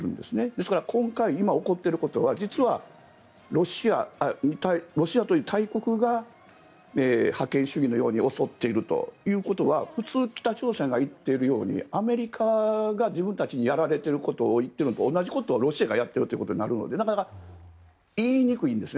ですから、今回今、起こっていることは実はロシアという大国が覇権主義のように襲っているということは普通、北朝鮮が言っているようにアメリカが自分たちにやられているのと同じことを、ロシアがやっていることになるのでなかなか言いにくいんです。